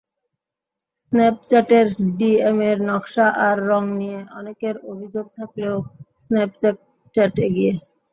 স্ন্যাপচ্যাটের ডিএমের নকশা আর রং নিয়ে অনেকের অভিযোগ থাকলেও স্ন্যাপচ্যাট এগিয়ে।